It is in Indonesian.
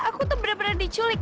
aku tuh bener bener diculik